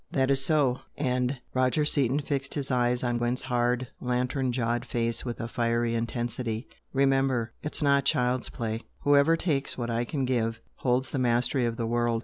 "That is so!" and Roger Seaton fixed his eyes on Gwent's hard, lantern jawed face with a fiery intensity "Remember, it's not child's play! Whoever takes what I can give, holds the mastery of the world!